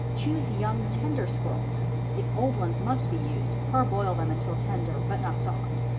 Choose young, tender squirrels (if old ones must be used, parboil them until tender but not soft).